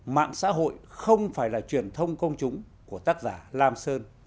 mạng xã hội không phải là truyền thông công chúng của tác giả lam sơn